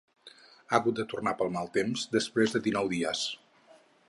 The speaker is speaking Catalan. Ha hagut de tornar pel mal temps després de dinou dies.